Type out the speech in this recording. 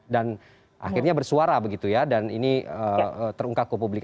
akhirnya bersuara begitu ya dan ini terungkap ke publik